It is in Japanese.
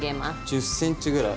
１０ｃｍぐらい。